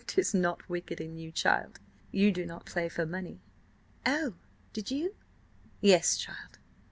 "'Tis not wicked in you, child. You do not play for money." "Oh, did you?" "Yes, child."